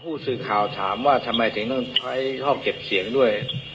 ผู้สื่อข่าวถามว่าทำไมถึงต้องใช้ห้องเก็บเสียงด้วย